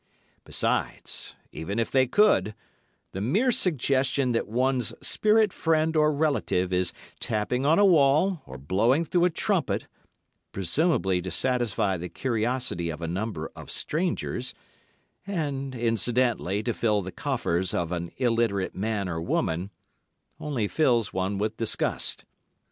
Besides, even if they could, the mere suggestion that one's spirit friend or relative is tapping on a wall or blowing through a trumpet, presumably to satisfy the curiosity of a number of strangers, and incidentally to fill the coffers of an illiterate man or woman, only fills one with disgust.